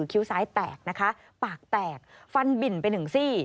คิ้วซ้ายแตกนะคะปากแตกฟันบิ่นไปหนึ่งซี่